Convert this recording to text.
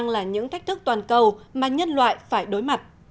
là những thách thức toàn cầu mà nhân loại phải đối mặt